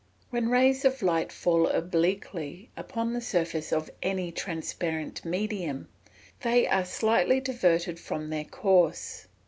_ When rays of light fall obliquely upon the surface of any transparent medium, they are slightly diverted from their course.